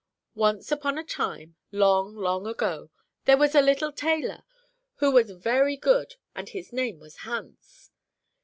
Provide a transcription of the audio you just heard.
Once upon a time, long, long ago, there was a little tailor, who was very good, and his name was Hans.